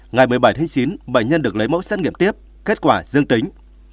ngày một mươi bảy tháng chín bệnh nhân được lấy mẫu xét nghiệm tiếp kết quả dương tính